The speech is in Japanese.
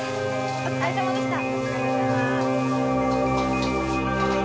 お疲れさまでした。